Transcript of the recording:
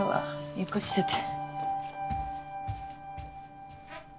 ゆっくりしてて。